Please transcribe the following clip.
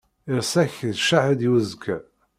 Irṣa-k d ccahed i uẓekka.